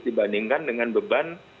dibandingkan dengan beban